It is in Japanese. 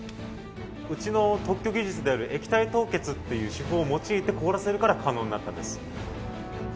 うちの特許技術である、液体凍結っていう手法を用いて凍らせるから可能になったんです。